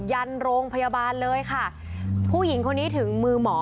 ยันโรงพยาบาลเลยค่ะผู้หญิงคนนี้ถึงมือหมอ